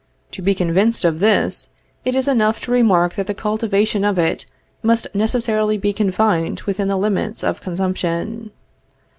To be convinced of this it is enough to remark that the cultivation of it must necessarily be confined within the limits of consumption.